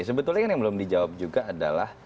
sebetulnya kan yang belum dijawab juga adalah